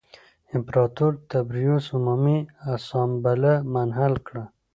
امپراتور تبریوس عمومي اسامبله منحل کړه